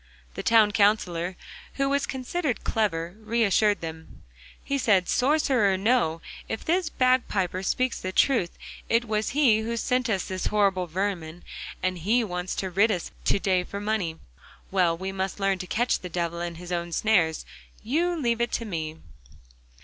The Town Counsellor, who was considered clever, reassured them. He said: 'Sorcerer or no, if this bagpiper speaks the truth, it was he who sent us this horrible vermin that he wants to rid us of to day for money. Well, we must learn to catch the devil in his own snares. You leave it to me.